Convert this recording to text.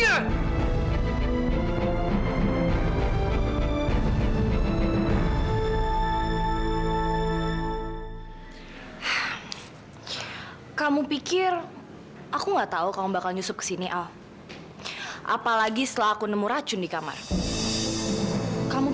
hai kamu pikir aku nggak tahu kamu bakal nyusup sini al apalagi selaku nemu racun di kamar kamu